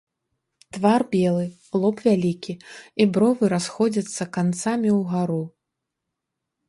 Твар белы, лоб вялікі, і бровы расходзяцца канцамі ўгару.